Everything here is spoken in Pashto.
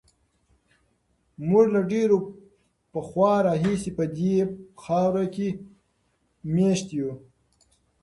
موږ له ډېر پخوا راهیسې په دې خاوره کې مېشت یو.